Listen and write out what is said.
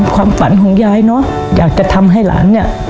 ความฝันของยายเนอะอยากจะทำให้หลานเนี่ย